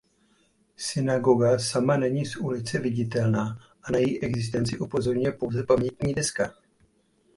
Synagoga sama není z ulice viditelná a na její existenci upozorňuje pouze pamětní deska.